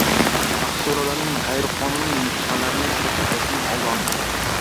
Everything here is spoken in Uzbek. Mahsulotlarning g‘ayriqonuniy nusxalarini ishlab chiqarishning oldi olinadi